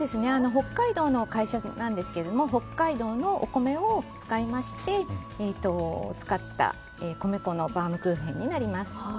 北海道の会社なんですが北海道のお米を使った米粉のバウムクーヘンになります。